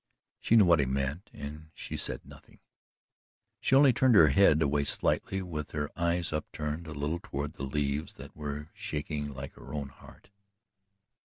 She knew what he meant and she said nothing she only turned her head away slightly, with her eyes upturned a little toward the leaves that were shaking like her own heart.